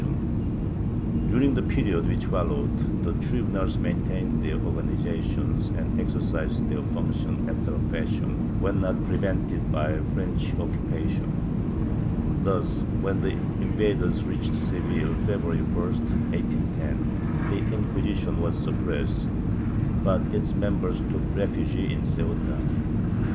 IV 26 402 DECADENCE AND EXTINCTION [Book IX During the period which followed, the tribunals maintained their organization and exercised their functions after a fashion, when not prevented by the French occupation. Thus when the invaders reached Seville, February 1, 1810, the Inquisition was suppressed, but its members took refuge in Ceuta.